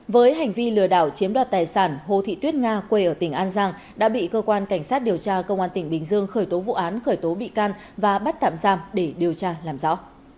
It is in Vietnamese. với hành vi lừa đảo chiếm đoạt tài sản hồ thị tuyết nga quê ở tỉnh an giang đã bị cơ quan cảnh sát điều tra công an tỉnh bình dương khởi tố vụ án khởi tố bị can và bắt tạm giam để điều tra làm rõ